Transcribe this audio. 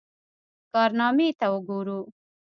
کارنامې ته وګورو.